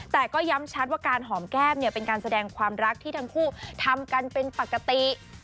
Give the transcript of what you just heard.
แต่ก็ย้ำชัดว่าการหอมแก้มเนี่ยเป็นการแสดงความรักที่ทั้งคู่ทำกันเป็นปกติ